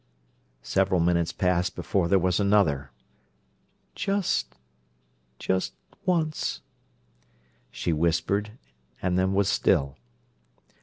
Several minutes passed before there was another. "Just—just once," she whispered, and then was still.